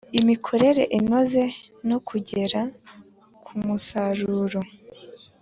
imikorere inoze no kugera ku musaruro